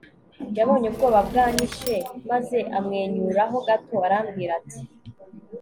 yabonye ubwoba bwanyishe maze amwenyura ho gato arambwira ati